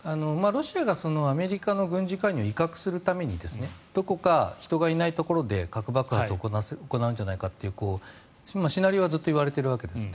ロシアがアメリカの軍事介入を威嚇するためにどこか人がいないところで核爆発を行うんじゃないかというシナリオはずっといわれているわけです。